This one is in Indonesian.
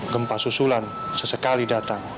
gempa susulan sesekali datang